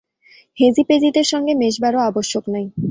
হেঁজিপেঁজিদের সঙ্গে মেশবারও আবশ্যক নাই।